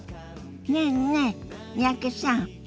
ねえねえ三宅さん。